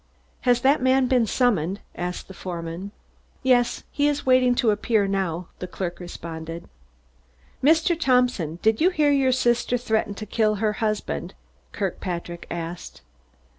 "Has that man been summoned?" asked the foreman. "Yes. He is waiting to appear now," a clerk responded. "Mr. Thompson, did you hear your sister threaten to kill her husband?" Kirkpatrick asked.